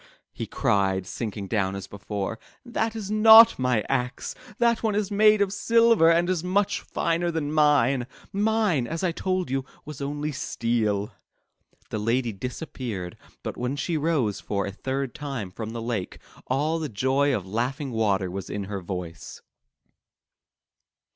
'' he cried, sinking down as before, 'That is not my axe. That one is made of silver and is much finer than mine. Mine, as I told you, was only steel.'* The lady disappeared, but when she rose for a third time from the lake, all the joy of laughing water was in her voice.